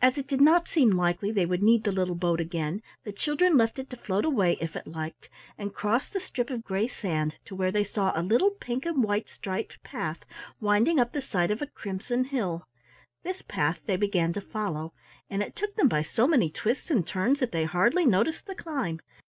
As it did not seem likely they would need the little boat again, the children left it to float away if it liked, and crossed the strip of gray sand to where they saw a little pink and white striped path winding up the side of a crimson hill. This path they began to follow, and it took them by so many twists and turns that they hardly noticed the climb.